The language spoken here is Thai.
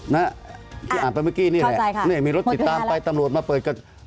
นะที่อ่านไปเมื่อกี้นี่แหละใช่ค่ะนี่มีรถติดตามไปตำรวจมาเปิดก็